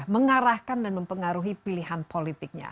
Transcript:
mengarahkan dan mempengaruhi pilihan politiknya